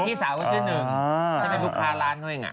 พี่สาวก็ชื่อหนึ่งท่านเป็นบุคคลาร้านเค้าเอง